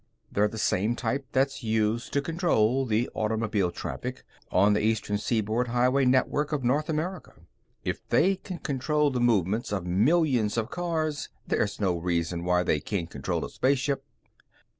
They're the same type that's used to control the automobile traffic on the Eastern Seaboard Highway Network of North America. If they can control the movement of millions of cars, there's no reason why they can't control a spaceship."